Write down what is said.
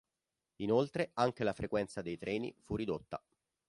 Inoltre, anche la frequenza dei treni fu ridotta.